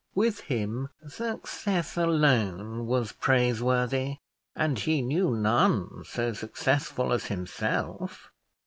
With him success alone was praiseworthy, and he knew none so successful as himself.